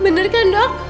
bener kan dok